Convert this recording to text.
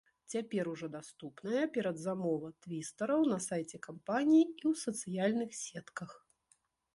Цяпер ужо даступная перадзамова твістараў на сайце кампаніі і ў сацыяльных сетках.